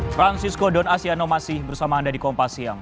francisco dan asyano masih bersama anda di kompas siang